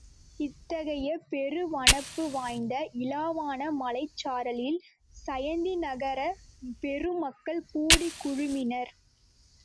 இத்தகைய பெரு வனப்பு வாய்ந்த இலாவான மலைச் சாரலில் சயந்திநகரப் பெருமக்கள் கூடிக் குழுமினர்.